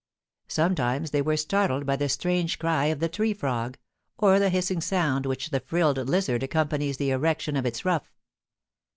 Sometimes they were startled by the strange cry of the tree frog, or the hissing sound with which the frilled lizard accompanies the erection of its ruff".